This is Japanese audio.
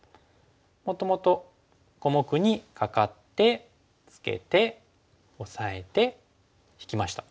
もともと小目にカカってツケてオサえて引きました。